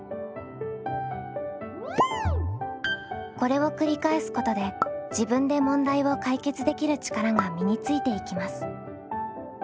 これを繰り返すことで自分で問題を解決できる力が身についていきます。